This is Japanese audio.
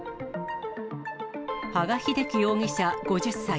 羽賀秀樹容疑者５０歳。